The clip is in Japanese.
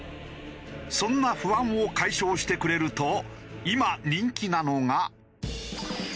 そんな不安を解消してくれると今人気なのが。